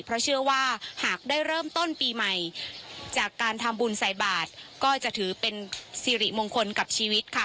เพราะเชื่อว่าหากได้เริ่มต้นปีใหม่จากการทำบุญใส่บาทก็จะถือเป็นสิริมงคลกับชีวิตค่ะ